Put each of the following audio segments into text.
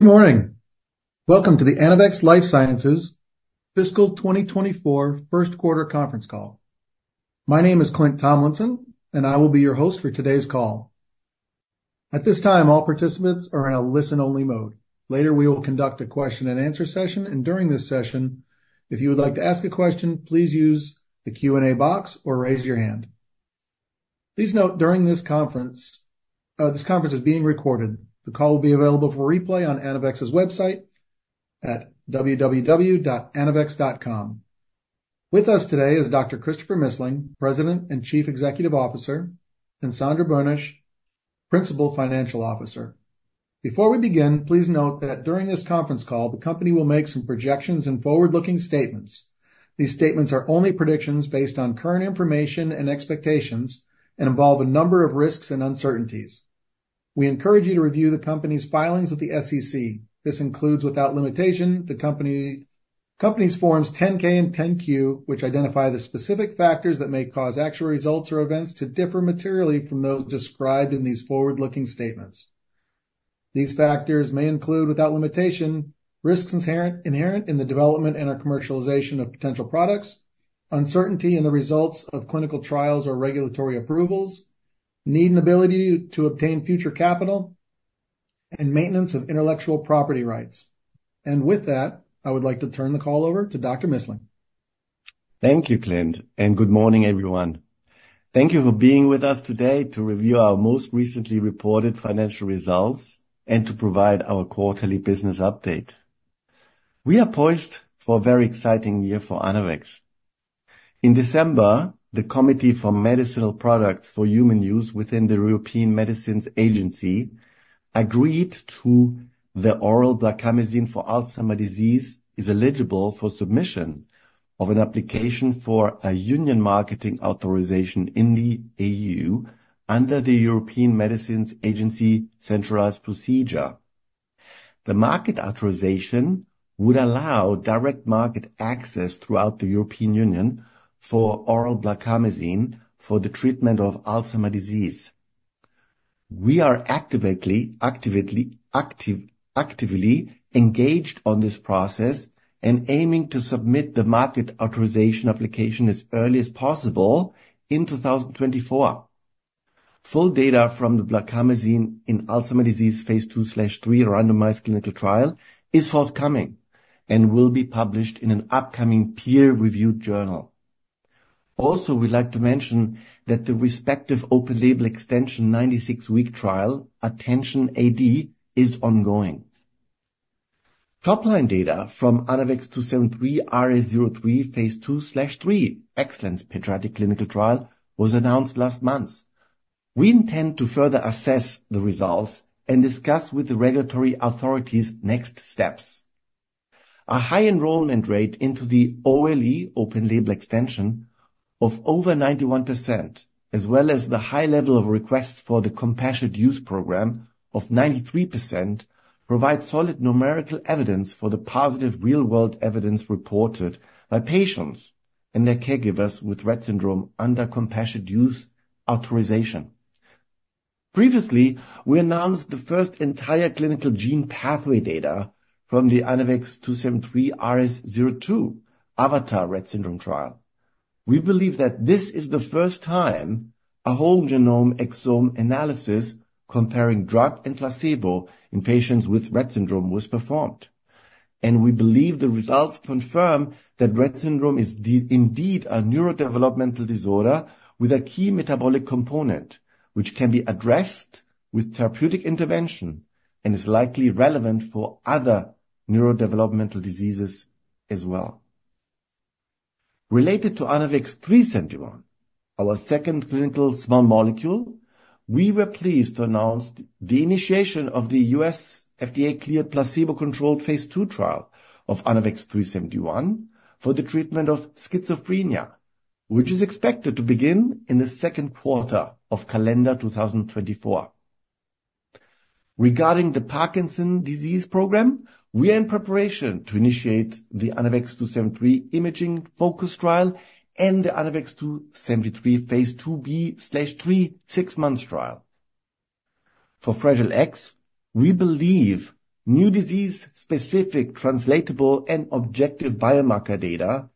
Good morning. Welcome to the ANAVEX Life Sciences Fiscal 2024 Q1 conference call. My name is Clint Tomlinson, and I will be your host for today's call. At this time, all participants are in a listen-only mode. Later, we will conduct a question-and-answer session, and during this session, if you would like to ask a question, please use the Q&A box or raise your hand. Please note, during this conference, this conference is being recorded. The call will be available for replay on ANAVEX's website at www.anavex.com. With us today is Dr. Christopher Missling, President and Chief Executive Officer, and Sandra Boenisch, Principal Financial Officer. Before we begin, please note that during this conference call, the company will make some projections and forward-looking statements. These statements are only predictions based on current information and expectations and involve a number of risks and uncertainties. We encourage you to review the company's filings with the SEC. This includes, without limitation, the company's Forms 10-K and 10-Q, which identify the specific factors that may cause actual results or events to differ materially from those described in these forward-looking statements. These factors may include, without limitation, risks inherent in the development and/or commercialization of potential products, uncertainty in the results of clinical trials or regulatory approvals, need and ability to obtain future capital, and maintenance of intellectual property rights. With that, I would like to turn the call over to Dr. Missling. Thank you, Clint, and good morning, everyone. Thank you for being with us today to review our most recently reported financial results and to provide our quarterly business update. We are poised for a very exciting year for ANAVEX. In December, the Committee for Medicinal Products for Human Use within the European Medicines Agency agreed to the oral blarcamesine for Alzheimer disease is eligible for submission of an application for a Union marketing authorization in the EU under the European Medicines Agency centralized procedure. The marketing authorization would allow direct market access throughout the European Union for oral blarcamesine for the treatment of Alzheimer's disease. We are actively engaged on this process and aiming to submit the market authorization application as early as possible in 2024. Full data from the blarcamesine in Alzheimer's disease Phase 2/3 randomized clinical trial is forthcoming and will be published in an upcoming peer-reviewed journal. Also, we'd like to mention that the respective open-label extension 96-week trial, ATTENTION-AD, is ongoing. Top-line data from ANAVEX 2-73 RS-03, Phase 2/3 in pediatric clinical trial was announced last month. We intend to further assess the results and discuss with the regulatory authorities next steps. A high enrollment rate into the OLE, open-label extension, of over 91%, as well as the high level of requests for the Compassionate Use Program of 93%, provides solid numerical evidence for the positive, real-world evidence reported by patients and their caregivers with Rett syndrome under Compassionate Use Authorization. Previously, we announced the first entire clinical gene pathway data from the ANAVEX 2-73 RS-02 AVATAR Rett Syndrome trial. We believe that this is the first time a whole genome exome analysis comparing drug and placebo in patients with Rett syndrome was performed. We believe the results confirm that Rett syndrome is indeed a neurodevelopmental disorder with a key metabolic component, which can be addressed with therapeutic intervention and is likely relevant for other neurodevelopmental diseases as well. Related to ANAVEX 3-71, our second clinical small molecule, we were pleased to announce the initiation of the U.S. FDA-cleared, placebo-controlled phase 2 trial of ANAVEX 3-71 for the treatment of schizophrenia, which is expected to begin in the Q2 of calendar 2024. Regarding the Parkinson's disease program, we are in preparation to initiate the ANAVEX 2-73 imaging-focused trial and the ANAVEX 2-73 Phase 2b/3, 6-month trial. For Fragile X, we believe new disease-specific, translatable, and objective biomarker data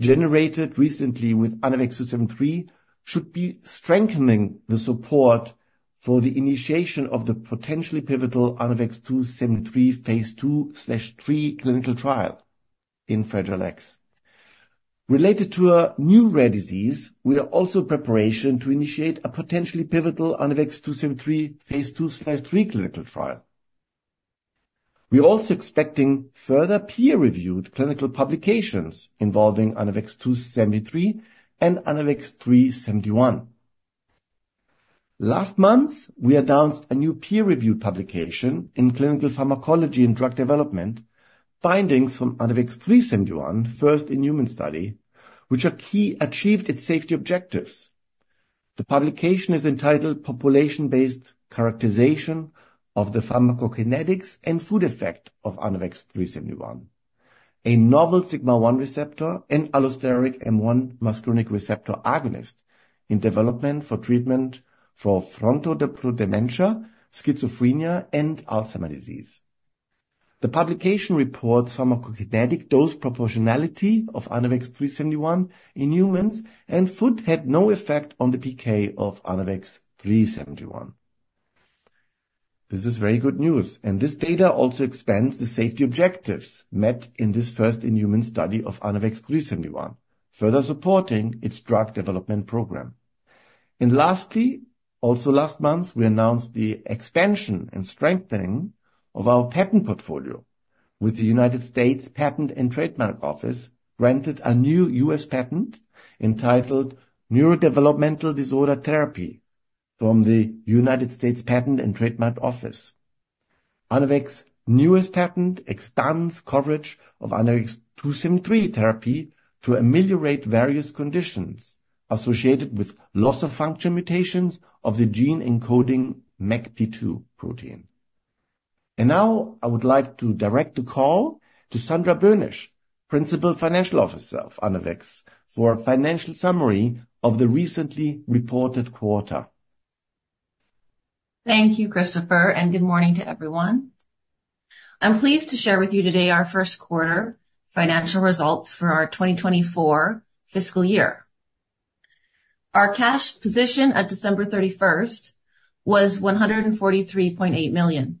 generated recently with ANAVEX 2-73 should be strengthening the support for the initiation of the potentially pivotal ANAVEX 2-73 Phase 2/3 clinical trial in Fragile X. Related to a new rare disease, we are also in preparation to initiate a potentially pivotal ANAVEX 2-73 Phase 2/3 clinical trial. We are also expecting further peer-reviewed clinical publications involving ANAVEX 2-73 and ANAVEX 3-71. Last month, we announced a new peer-reviewed publication in Clinical Pharmacology in Drug Development, findings from ANAVEX 3-71, first in human study, which are key achieved its safety objectives. The publication is entitled, "Population-Based Characterization of the Pharmacokinetics and Food Effect of ANAVEX 3-71." A novel sigma-1 receptor and allosteric M1 muscarinic receptor agonist in development for treatment for frontotemporal dementia, schizophrenia, and Alzheimer's disease. The publication reports pharmacokinetic dose proportionality of ANAVEX 3-71 in humans, and food had no effect on the PK of ANAVEX 3-71. This is very good news, and this data also expands the safety objectives met in this first-in-human study of ANAVEX 3-71, further supporting its drug development program. Lastly, also last month, we announced the expansion and strengthening of our patent portfolio with the United States Patent and Trademark Office, granted a new U.S. patent entitled Neurodevelopmental Disorder Therapy from the United States Patent and Trademark Office. ANAVEX's newest patent expands coverage of ANAVEX 2-73 therapy to ameliorate various conditions associated with loss-of-function mutations of the gene encoding MECP2 protein. And now I would like to direct the call to Sandra Boenisch, Principal Financial Officer of ANAVEX, for a financial summary of the recently reported quarter. Thank you, Christopher, and good morning to everyone. I'm pleased to share with you today our first quarter financial results for our 2024 fiscal year. Our cash position at December 31 was $143.8 million.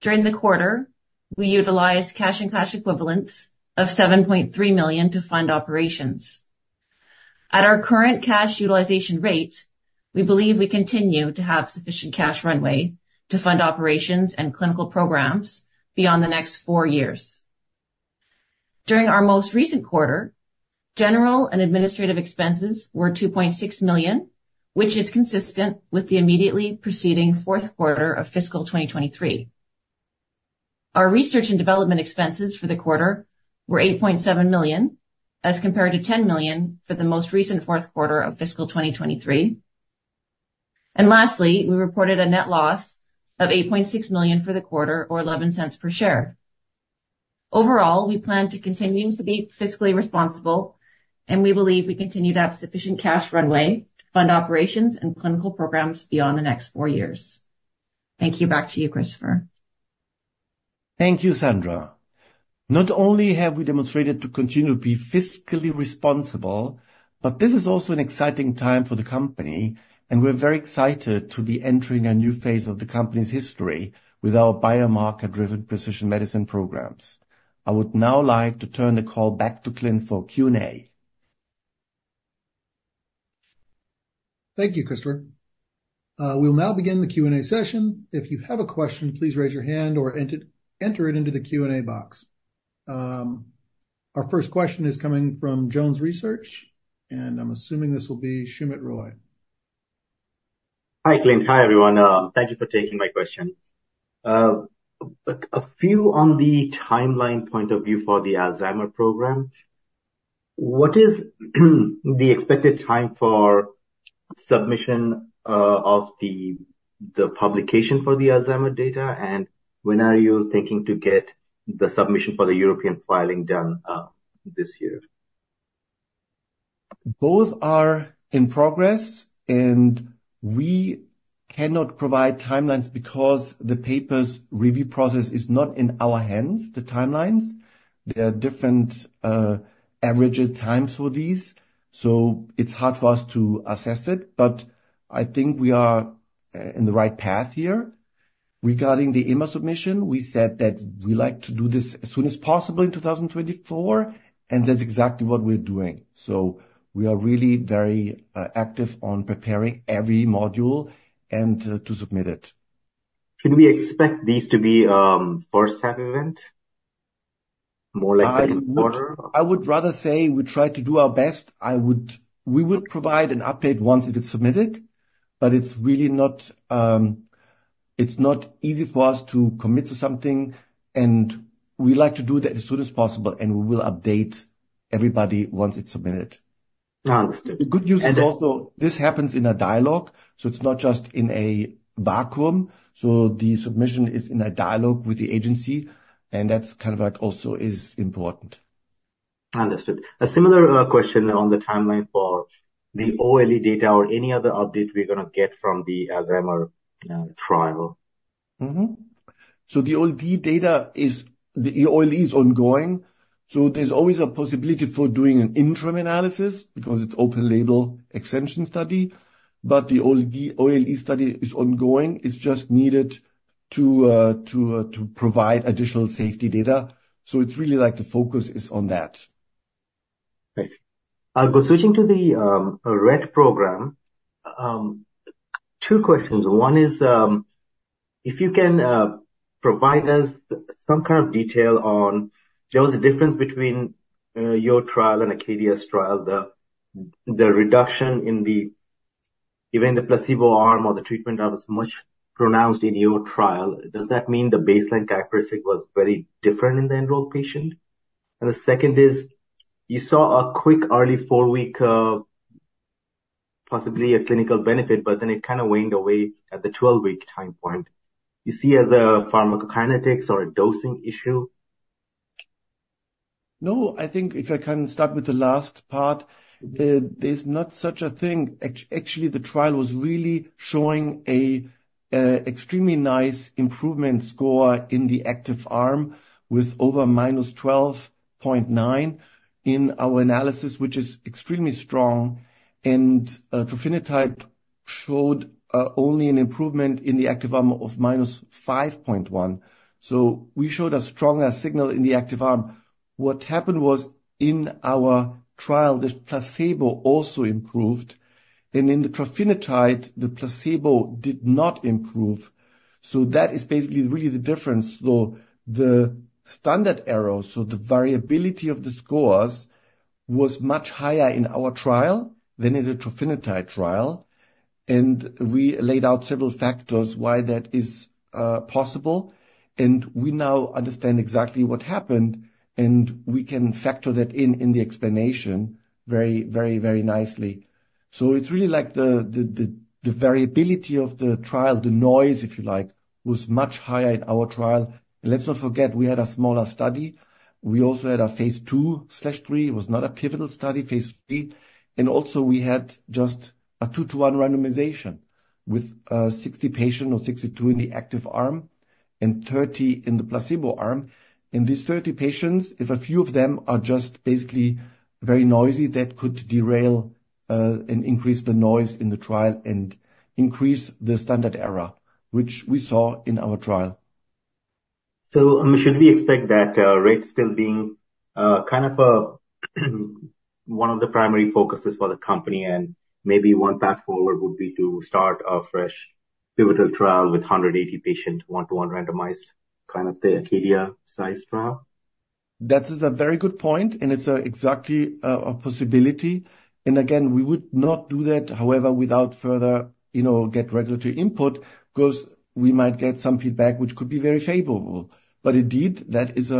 During the quarter, we utilized cash and cash equivalents of $7.3 million to fund operations. At our current cash utilization rate, we believe we continue to have sufficient cash runway to fund operations and clinical programs beyond the next 4 years. During our most recent quarter, general and administrative expenses were $2.6 million, which is consistent with the immediately preceding Q4 of fiscal 2023. Our research and development expenses for the quarter were $8.7 million, as compared to $10 million for the most recent fourth quarter of fiscal 2023. Lastly, we reported a net loss of $8.6 million for the quarter or $0.11 per share. Overall, we plan to continue to be fiscally responsible, and we believe we continue to have sufficient cash runway to fund operations and clinical programs beyond the next four years. Thank you. Back to you, Christopher. Thank you, Sandra. Not only have we demonstrated to continue to be fiscally responsible, but this is also an exciting time for the company, and we're very excited to be entering a new phase of the company's history with our biomarker-driven precision medicine programs. I would now like to turn the call back to Clint for Q&A. Thank you, Christopher. We'll now begin the Q&A session. If you have a question, please raise your hand or enter it into the Q&A box. Our first question is coming from Jones Research, and I'm assuming this will be Soumit Roy. Hi, Clint. Hi, everyone. Thank you for taking my question. A few on the timeline point of view for the Alzheimer's program. What is the expected time for submission of the publication for the Alzheimer's data, and when are you thinking to get the submission for the European filing done this year? Both are in progress, and we cannot provide timelines because the paper's review process is not in our hands, the timelines. There are different average times for these, so it's hard for us to assess it, but I think we are in the right path here. Regarding the EMA submission, we said that we like to do this as soon as possible in 2024, and that's exactly what we're doing. So we are really very active on preparing every module and to submit it. Can we expect these to be first half event? More like the end of quarter- I would rather say we try to do our best. I would... We would provide an update once it is submitted, but it's really not, it's not easy for us to commit to something, and we like to do that as soon as possible, and we will update everybody once it's submitted. Understood, and- The good news is also, this happens in a dialogue, so it's not just in a vacuum. The submission is in a dialogue with the agency, and that's kind of like also is important. Understood. A similar question on the timeline for the OLE data or any other update we're going to get from the Alzheimer's trial? Mm-hmm. So the OLE data is, the OLE is ongoing, so there's always a possibility for doing an interim analysis because it's open label extension study. But the OLE study is ongoing. It's just needed to provide additional safety data. So it's really like the focus is on that. Great. I'll go switching to the Rett program. Two questions. One is, if you can, provide us some kind of detail on what was the difference between, your trial and Acadia's trial, the reduction in the, even the placebo arm or the treatment that was much pronounced in your trial. Does that mean the baseline characteristic was very different in the enrolled patient? And the second is, you saw a quick, early 4-week possibly a clinical benefit, but then it kind of waned away at the 12-week time point. You see it as a pharmacokinetics or a dosing issue? No, I think if I can start with the last part, there's not such a thing. Actually, the trial was really showing a extremely nice improvement score in the active arm, with over -12.9 in our analysis, which is extremely strong. And trofinetide showed only an improvement in the active arm of -5.1. So we showed a stronger signal in the active arm. What happened was, in our trial, the placebo also improved, and in the trofinetide, the placebo did not improve. So that is basically really the difference, though the standard error, so the variability of the scores, was much higher in our trial than in the trofinetide trial. We laid out several factors why that is possible, and we now understand exactly what happened, and we can factor that in in the explanation very, very, very nicely. So it's really like the variability of the trial, the noise, if you like, was much higher in our trial. Let's not forget, we had a smaller study. We also had a phase 2/3. It was not a pivotal study, phase 3. And also we had just a 2-to-1 randomization with 60 patients or 62 in the active arm and 30 in the placebo arm. In these 30 patients, if a few of them are just basically very noisy, that could derail and increase the noise in the trial and increase the standard error, which we saw in our trial. So should we expect that rate still being kind of a one of the primary focuses for the company, and maybe one path forward would be to start a fresh pivotal trial with 180 patients, 1:1 randomized, kind of the Acadia size trial? That is a very good point, and it's exactly a possibility. And again, we would not do that, however, without further, you know, get regulatory input, because we might get some feedback, which could be very favorable. But indeed, that is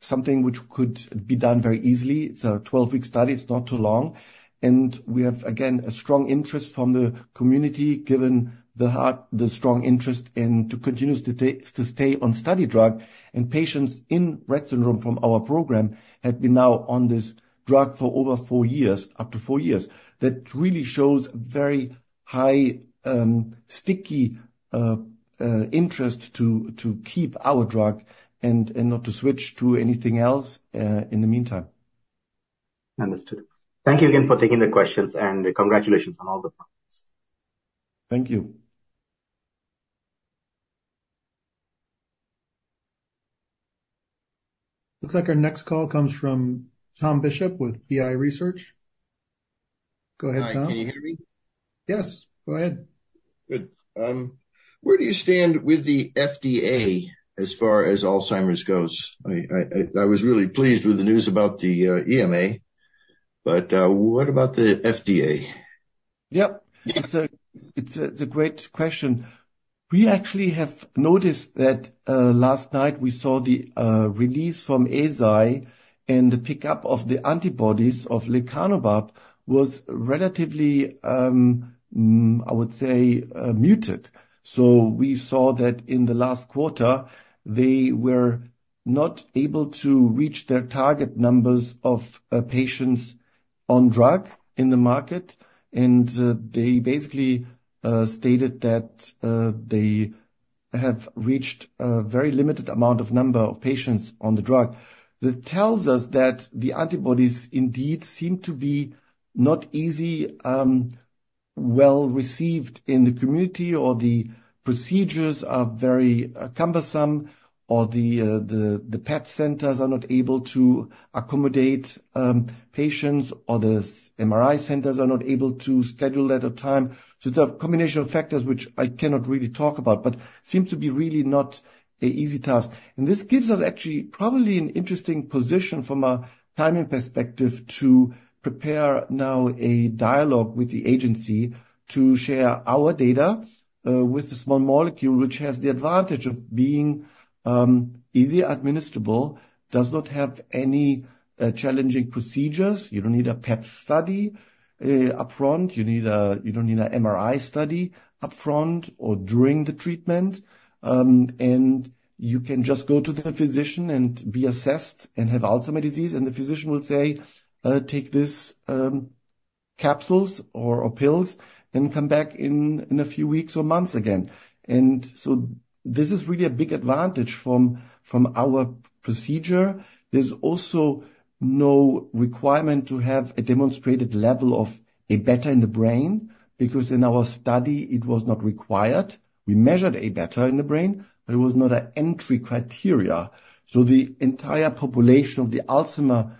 something which could be done very easily. It's a 12-week study. It's not too long, and we have, again, a strong interest from the community, given the, the strong interest in to continue to stay on study drug. And patients in Rett syndrome from our program have been now on this drug for over four years, up to four years. That really shows very high sticky interest to keep our drug and not to switch to anything else in the meantime. Understood. Thank you again for taking the questions and congratulations on all the progress. Thank you. Looks like our next call comes from Tom Bishop with BI Research. Go ahead, Tom. Hi, can you hear me? Yes, go ahead. Good. Where do you stand with the FDA as far as Alzheimer's goes? I was really pleased with the news about the EMA, but what about the FDA? Yep, it's a great question. We actually have noticed that last night we saw the release from Eisai, and the pickup of the antibodies of lecanemab was relatively, I would say, muted. So we saw that in the last quarter, they were not able to reach their target numbers of patients on drug in the market, and they basically stated that they have reached a very limited amount of number of patients on the drug. That tells us that the antibodies indeed seem to be not easy well-received in the community, or the procedures are very cumbersome, or the PET centers are not able to accommodate patients, or the MRI centers are not able to schedule at a time. So there are a combination of factors which I cannot really talk about, but seems to be really not an easy task. And this gives us actually probably an interesting position from a timing perspective, to prepare now a dialogue with the agency to share our data, with the small molecule, which has the advantage of being, easy administrable, does not have any, challenging procedures. You don't need a PET study, upfront. You don't need an MRI study upfront or during the treatment. And you can just go to the physician and be assessed and have Alzheimer's disease, and the physician will say, "Take this, capsules or, pills and come back in a few weeks or months again." And so this is really a big advantage from our procedure. There's also no requirement to have a demonstrated level of Aβ in the brain, because in our study it was not required. We measured Aβ in the brain, but it was not an entry criteria. So the entire population of the Alzheimer's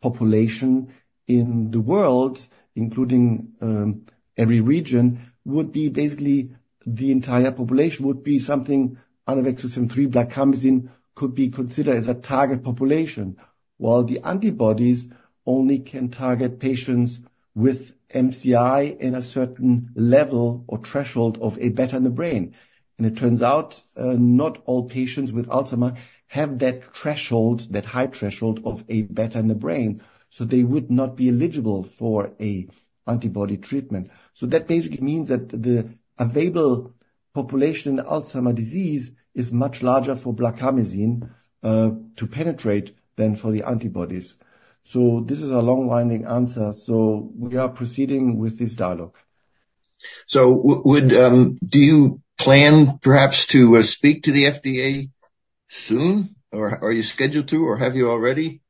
population in the world, including every region, would be basically the entire population, would be something ANAVEX 2-73 blarcamesine could be considered as a target population. While the antibodies only can target patients with MCI in a certain level or threshold of Aβ in the brain. And it turns out, not all patients with Alzheimer's have that threshold, that high threshold of Aβ in the brain, so they would not be eligible for an antibody treatment. So that basically means that the available population in Alzheimer's disease is much larger for blarcamesine to penetrate than for the antibodies. This is a long-winded answer. We are proceeding with this dialogue. So, would you plan perhaps to speak to the FDA soon, or are you scheduled to, or have you already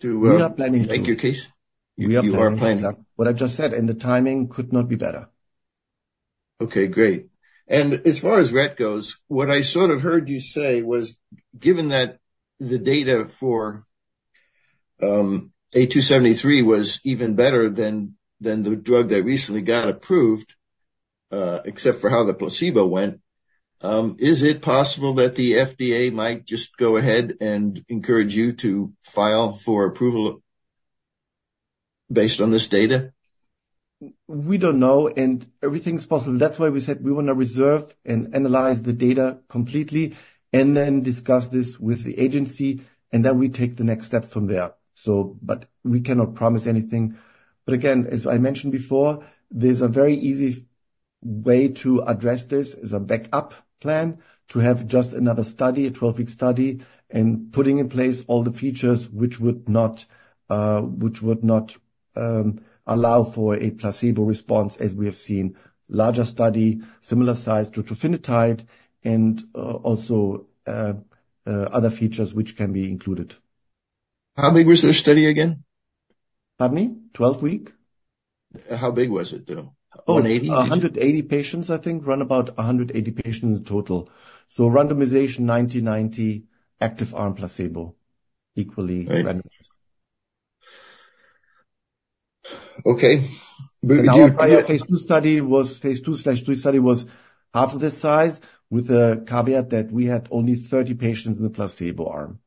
to? We are planning to. Make your case? We are planning. You are planning. What I just said, and the timing could not be better. Okay, great. And as far as Rett goes, what I sort of heard you say was, given that the data for ANAVEX 2-73 was even better than the drug that recently got approved, except for how the placebo went, is it possible that the FDA might just go ahead and encourage you to file for approval based on this data? We don't know, and everything's possible. That's why we said we want to reserve and analyze the data completely and then discuss this with the agency, and then we take the next steps from there. But we cannot promise anything. But again, as I mentioned before, there's a very easy way to address this as a backup plan, to have just another study, a 12-week study, and putting in place all the features which would not allow for a placebo response, as we have seen. Larger study, similar size to trofinetide and also other features which can be included. How big was the study again? Pardon me? 12 week. How big was it, though? 180? Oh, 180 patients, I think. Around about 180 patients in total. So randomization, 90/90, active arm, placebo, equally randomized. Okay. But if you- And our prior phase 2 study was, phase 2/3 study was half of this size, with a caveat that we had only 30 patients in the placebo arm.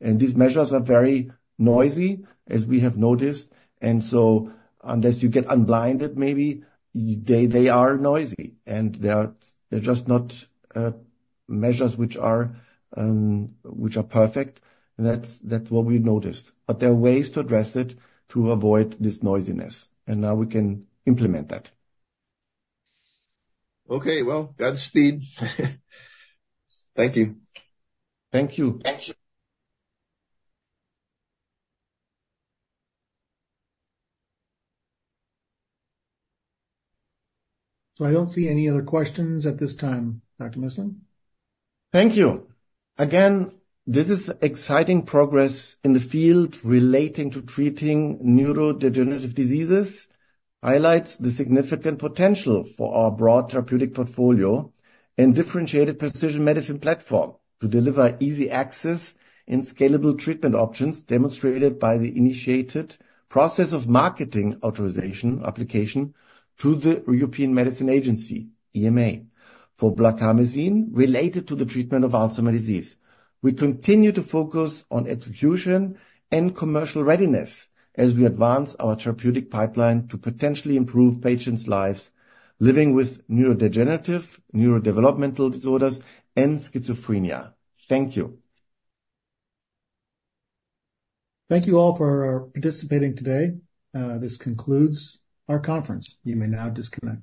And these measures are very noisy, as we have noticed, and so unless you get unblinded, maybe they, they are noisy, and they are, they're just not, measures which are, which are perfect. That's, that's what we noticed. But there are ways to address it to avoid this noisiness, and now we can implement that. Okay. Well, Godspeed. Thank you. Thank you. Thank you. I don't see any other questions at this time, Dr. Missling. Thank you. Again, this is exciting progress in the field relating to treating neurodegenerative diseases, highlights the significant potential for our broad therapeutic portfolio and differentiated precision medicine platform to deliver easy access and scalable treatment options, demonstrated by the initiated process of marketing authorization application through the European Medicines Agency, EMA, for blarcamesine related to the treatment of Alzheimer's disease. We continue to focus on execution and commercial readiness as we advance our therapeutic pipeline to potentially improve patients' lives living with neurodegenerative, neurodevelopmental disorders and schizophrenia. Thank you. Thank you all for participating today. This concludes our conference. You may now disconnect.